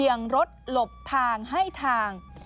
เบี่ยงรถโดนหลบทางให้ทาง